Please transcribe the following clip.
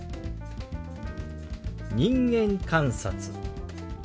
「人間観察」。